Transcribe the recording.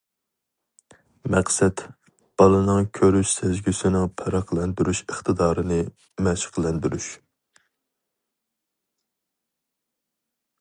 مەقسەت: بالىنىڭ كۆرۈش سەزگۈسىنىڭ پەرقلەندۈرۈش ئىقتىدارىنى مەشىقلەندۈرۈش.